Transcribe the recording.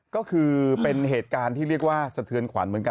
ก็คือเป็นเหตุการณ์ที่เรียกว่าสะเทือนขวัญเหมือนกัน